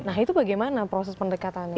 nah itu bagaimana proses pendekatannya